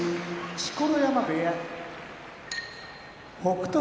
錣山部屋北勝